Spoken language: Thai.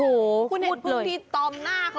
โอ้พูดเลยอีกตอบนะคะ